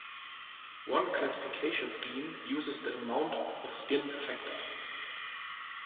One classification scheme uses the amount of skin affected.